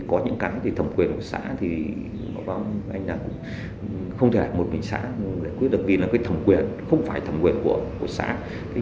có những thẩm quyền của xã thì không thể một mình xã quyết được vì thẩm quyền không phải thẩm quyền của xã